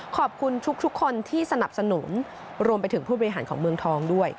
ขอบคุณทุกคนที่สนับสนุนรวมไปถึงผู้บริหารของเมืองทองด้วย